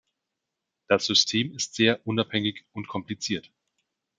Das System ist sehr unabhängig und kompliziert.